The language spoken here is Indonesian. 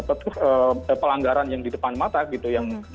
apa tuh menunjukkan pelanggaran yang di depan mata gitu yang pulgar gitu ya